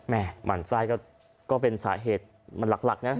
แม่หมั่นไส้ก็เป็นสาเหตุมันหลักนะปัจจุบันนี้